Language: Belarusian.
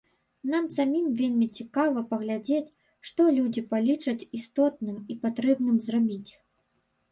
Нам самім вельмі цікава паглядзець, што людзі палічаць істотным і патрэбным зрабіць.